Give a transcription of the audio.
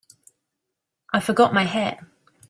I forgot my hat.